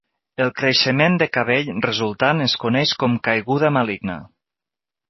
El creixement de cabell resultant es coneix com caiguda maligna.